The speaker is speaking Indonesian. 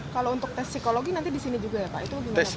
kalau untuk tes psikologi nanti di sini juga ya pak